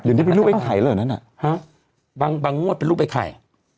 อันนี้เป็นรูปไอ้ไข่หรือนั่นอ่ะบางงวดเป็นรูปไอ้ไข่